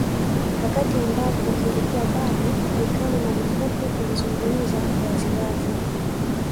Wakati ambapo ilikuwa bado ni kama marufuku kuzungumza wazi wazi